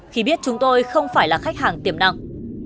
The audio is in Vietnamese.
khi biết chúng tôi không phải là khách hàng tiềm năng